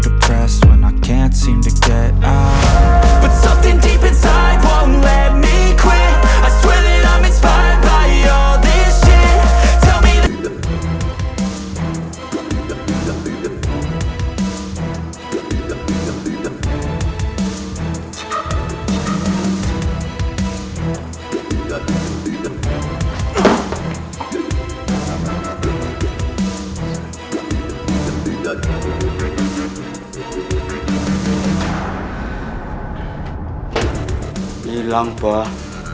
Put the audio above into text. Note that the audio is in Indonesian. terima kasih pak lurah